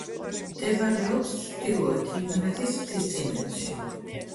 მდებარეობს ჩრდილოეთ იმერეთის მთისწინეთში.